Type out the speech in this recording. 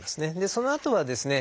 そのあとはですね